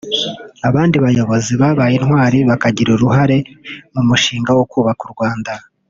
Abandi bayobozi babaye intwari bakagira uruhare mu mushinga wo kubaka u Rwanda